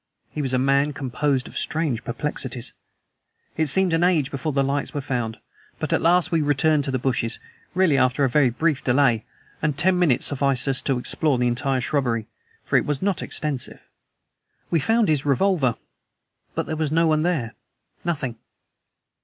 He was a man composed of strange perplexities. It seemed an age before the lights were found. But at last we returned to the bushes, really after a very brief delay; and ten minutes sufficed us to explore the entire shrubbery, for it was not extensive. We found his revolver, but there was no one there nothing.